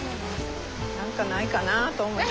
何かないかなと思って。